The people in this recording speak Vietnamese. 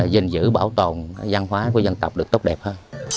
giữ bảo tồn văn hóa của dân tộc được tốt đẹp hơn